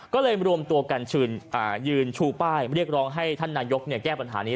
ก็เลยรวมตัวกันยืนชูป้ายเรียกร้องให้ท่านนายกแก้ปัญหานี้